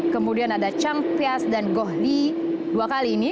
kemudian ada chang pias dan gohli dua kali ini